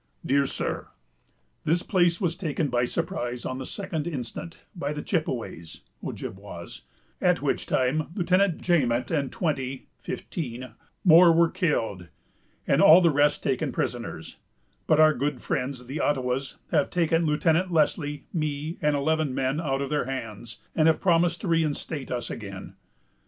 "Dear Sir: "This place was taken by surprise, on the second instant, by the Chippeways, [Ojibwas,] at which time Lieutenant Jamet and twenty [fifteen] more were killed, and all the rest taken prisoners; but our good friends, the Ottawas, have taken Lieutenant Lesley, me, and eleven men, out of their hands, and have promised to reinstate us again.